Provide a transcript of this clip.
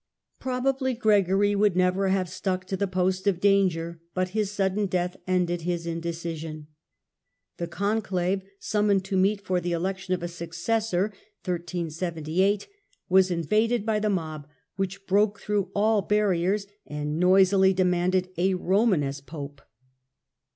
Probably Gregory would never have stuck to the post of danger, but his sudden death ended his indecision. The Conclave, summoned to meet for the election Election of of a successor, was invaded by the mob, which broke i^78^" ' through all barriers and noisily demanded a Roman as Pope.